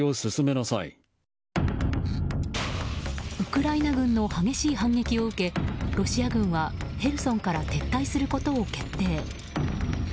ウクライナ軍の激しい反撃を受けロシア軍はヘルソンから撤退することを決定。